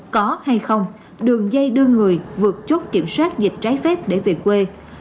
có hay không đường dây đưa người vượt chốt kiểm soát dịch trái phép để về quê